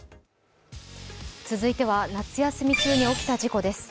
続いては夏休み中に起きた事故です。